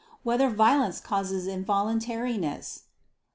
5] Whether Violence Causes Involuntariness?